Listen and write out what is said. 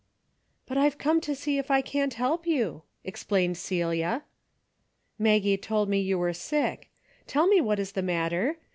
'' But I've come to see if I can't help you," explained Celia. " Maggie told me you were sick. Tell me what is the matter.